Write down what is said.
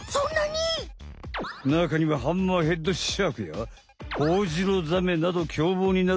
なかにはハンマーヘッドシャークやホホジロザメなどきょうぼうになるサメも。